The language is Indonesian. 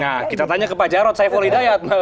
nah kita tanya ke pak jarod saiful hidayat